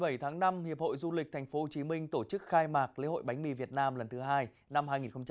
tối một mươi bảy tháng năm hiệp hội du lịch tp hcm tổ chức khai mạc lễ hội bánh mì việt nam lần thứ hai năm hai nghìn hai mươi bốn